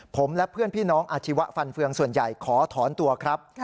ผมและเพื่อนพี่น้องอาชีวะฟันเฟืองส่วนใหญ่ขอถอนตัวครับ